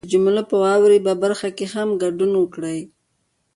د جملو په واورئ برخه کې هم ګډون وکړئ